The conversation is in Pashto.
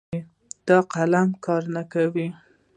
دا قلم کار نه کوي